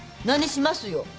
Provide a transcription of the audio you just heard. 何しますよ。